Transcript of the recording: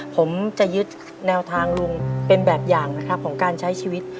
ผมจะยึดแนวทางลุงเป็นแบบอย่างนะครับของการใช้ชีวิต